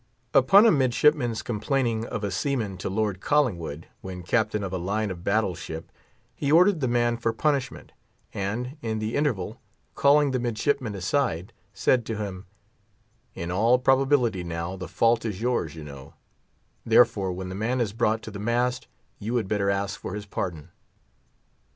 Upon a midshipman's complaining of a seaman to Lord Collingwood, when Captain of a line of battle ship, he ordered the man for punishment; and, in the interval, calling the midshipman aside, said to him, "In all probability, now, the fault is yours—you know; therefore, when the man is brought to the mast, you had better ask for his pardon."